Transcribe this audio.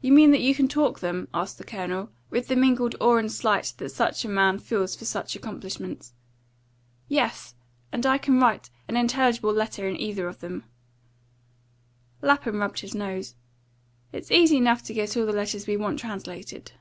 "You mean that you can talk them?" asked the Colonel, with the mingled awe and slight that such a man feels for such accomplishments. "Yes; and I can write an intelligible letter in either of them." Lapham rubbed his nose. "It's easy enough to get all the letters we want translated."